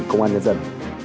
công an dân dân